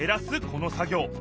この作業。